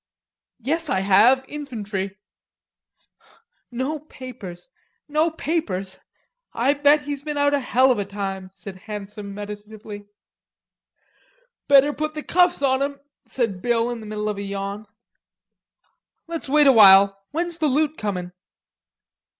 "Yes, I have, infantry." "No papers.... I bet he's been out a hell of a time," said Handsome meditatively. "Better put the cuffs on him," said Bill in the middle of a yawn. "Let's wait a while. When's the loot coming?"